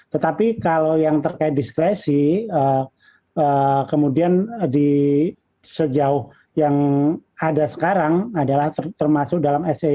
tetapi kalau yang terkait diskresi kemudian di sejauh yang ada sekarang adalah termasuk dalam seg